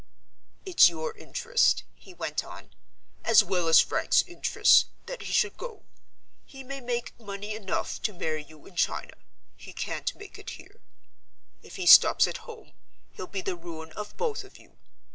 "It's your interest," he went on, "as well as Frank's interest, that he should go. He may make money enough to marry you in China; he can't make it here. If he stops at home, he'll be the ruin of both of you.